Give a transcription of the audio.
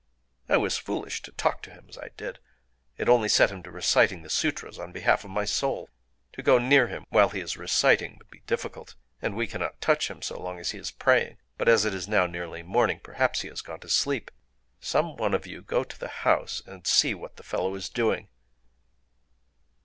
I was foolish to talk to him as I did;—it only set him to reciting the sûtras on behalf of my soul! To go near him while he is reciting would be difficult; and we cannot touch him so long as he is praying. But as it is now nearly morning, perhaps he has gone to sleep... Some one of you go to the house and see what the fellow is doing."